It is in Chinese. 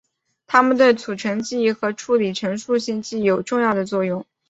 它们对储存记忆和处理陈述性记忆有重要的作用。